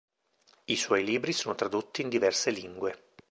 I suoi libri sono tradotti in diverse lingue.